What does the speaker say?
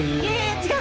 違う！